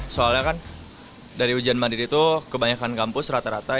soalnya kan dari ujian mandiri itu kebanyakan kampus rata rata